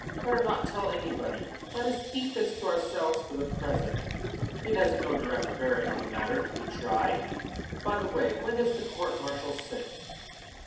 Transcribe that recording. Better not tell anybody. Let us keep this to ourselves for the present. It has no direct bearing on the matter to be tried. By the way, when does the court martial sit?"